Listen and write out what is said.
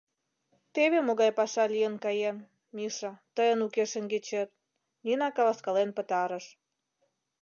—..Теве могай паша лийын каен, Миша, тыйын уке шеҥгечет, — Нина каласкален пытарыш.